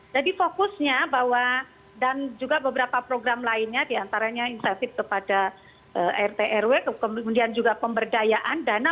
jadi fokusnya bahwa dan juga beberapa program lainnya diantaranya insafit kepada rt rw kemudian juga pemberdayaan dana